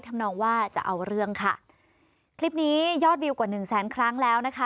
ทำนองว่าจะเอาเรื่องค่ะคลิปนี้ยอดวิวกว่าหนึ่งแสนครั้งแล้วนะคะ